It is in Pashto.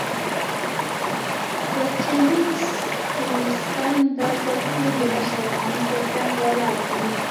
پرچمي سکتریستان دا ځل ټول د اشرف غني تر څنګ ولاړ دي.